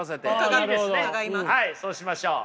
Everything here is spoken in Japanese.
はいそうしましょう。